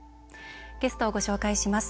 ゲストをご紹介します。